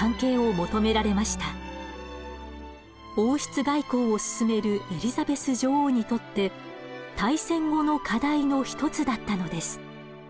王室外交を進めるエリザベス女王にとって大戦後の課題の一つだったのです。